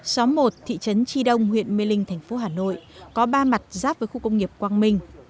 xóm một thị trấn tri đông huyện mê linh thành phố hà nội có ba mặt giáp với khu công nghiệp quang minh